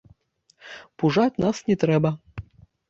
Пужаць нас не трэба.